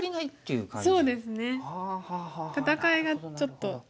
戦いがちょっと。